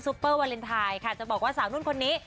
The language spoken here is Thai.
เปอร์วาเลนไทยค่ะจะบอกว่าสาวนุ่นคนนี้